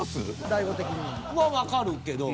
大悟的には？はわかるけど。